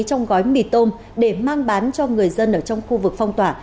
trong gói mì tôm để mang bán cho người dân ở trong khu vực phong tỏa